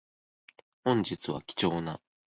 本日は貴重な